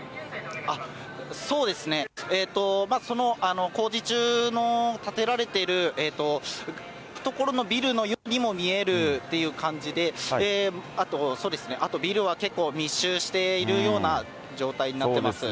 そうですね、その工事中の建てられている所のビルのようにも見えるという感じで、あと、ビルは結構密集しているような状態になってます。